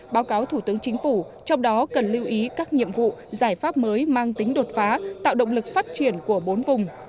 báo cáo thủ tướng chính phủ trong đó cần lưu ý các nhiệm vụ giải pháp mới mang tính đột phá tạo động lực phát triển của bốn vùng